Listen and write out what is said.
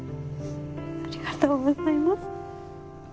ありがとうございます。